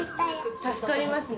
助かりますね。